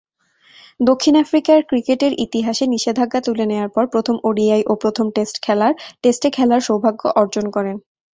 দক্ষিণ আফ্রিকার ক্রিকেটের ইতিহাসে নিষেধাজ্ঞা তুলে নেয়ার পর প্রথম ওডিআই ও প্রথম টেস্টে খেলার সৌভাগ্য অর্জন করেন।